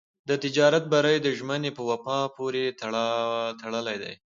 د تجارت بری د ژمنې په وفا پورې تړلی دی.